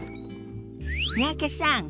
三宅さん